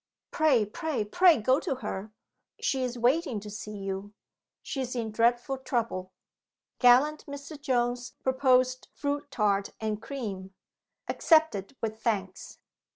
"Pray, pray, pray go to her; she is waiting to see you she is in dreadful trouble." (Gallant Mr. Jones proposed fruit tart and cream. Accepted with thanks.)